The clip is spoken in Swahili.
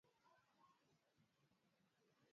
Mkoa wa Mara upande wa kaskazini